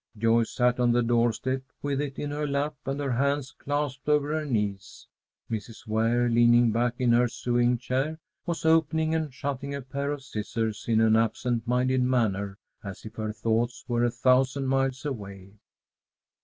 Joyce sat on the door step with it in her lap and her hands clasped over her knees. Mrs. Ware, leaning back in her sewing chair, was opening and shutting a pair of scissors in an absent minded manner, as if her thoughts were a thousand miles away.